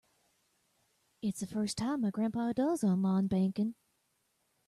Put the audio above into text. It's the first time my grandpa does online banking.